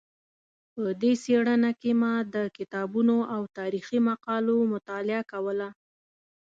په دې څېړنه کې ما د کتابونو او تاریخي مقالو مطالعه کوله.